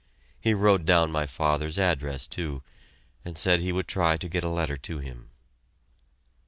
He wrote down my father's address, too, and said he would try to get a letter to him.